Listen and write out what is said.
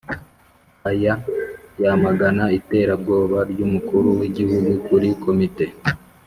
aya yamagana iterabwoba ry'umukuru w' i gihugu kuri komite»